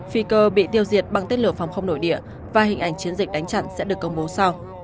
phi cơ bị tiêu diệt bằng tên lửa phòng không nội địa và hình ảnh chiến dịch đánh chặn sẽ được công bố sau